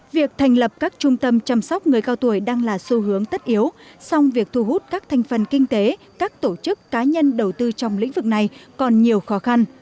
việc thành lập các trung tâm chăm sóc người cao tuổi đang là xu hướng tất yếu song việc thu hút các thành phần kinh tế các tổ chức cá nhân đầu tư trong lĩnh vực này còn nhiều khó khăn